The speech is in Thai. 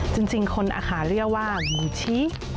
จริงคนอาขาเรียกว่าหมูชี้